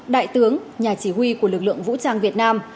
đại tướng nhà chỉ huy của lực lượng vũ trang việt nam